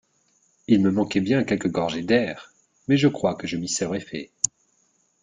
Il me manquait bien quelques gorgées d'air, mais je crois que je m'y serais fait.